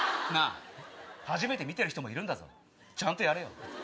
初めて見てる人もいるんだぞちゃんとやれよ。